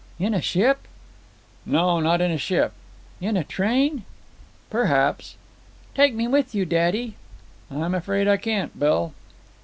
"In a ship?" "No, not in a ship." "In a train?" "Perhaps." "Take me with you, daddy." "I'm afraid I can't, Bill."